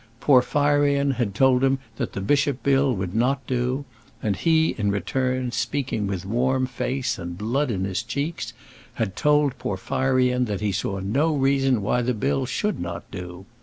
Porphyrion had told him that the bishop bill would not do; and he, in return, speaking with warm face, and blood in his cheeks, had told Porphyrion that he saw no reason why the bill should not do.